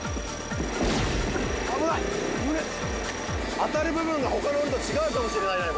当てる部分が他の鬼と違うかもしれないね